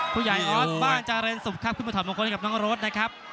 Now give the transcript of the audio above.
ผู้ใหญ่อ้อนบ้านจารนสุบครับขึ้นมาถอดบางคนให้กับน้องโรศนะครับ